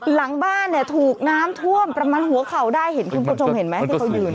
หลังบ้านถูกน้ำทั่วมประมาณหัวเข่าได้เห็นประชวนเห็นมั้ยที่เขายืน